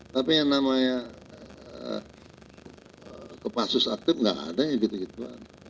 tapi yang namanya kopassus aktif nggak ada yang gitu gituan